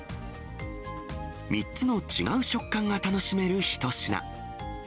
３つの違う食感が楽しめる一品。